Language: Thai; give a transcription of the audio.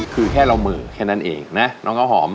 คือแค่เราเหมือแค่นั้นเองนะน้องข้าวหอม